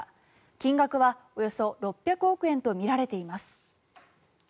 金額はおよそ６００億円とみられています。